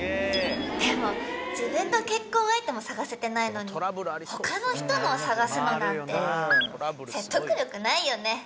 でも自分の結婚相手も探せてないのに他の人のを探すのなんて説得力ないよね。